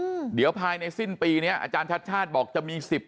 อืมเดี๋ยวภายในสิ้นปีเนี้ยอาจารย์ชัดชาติบอกจะมีสิบ